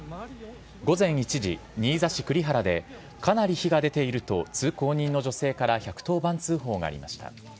午前１時、新座市栗原でかなり火が出ていると、通行人の女性から１１０番通報がありました。